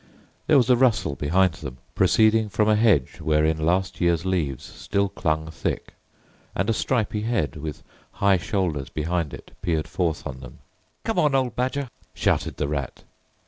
There was a rustle behind them, proceeding from a hedge wherein last year's leaves still clung thick, and a stripy head, with high shoulders behind it, peered forth on them. "Come on, old Badger!" shouted the Rat.